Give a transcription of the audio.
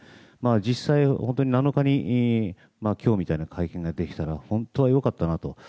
実際、７日に今日みたいな会見ができたら本当は良かったなと。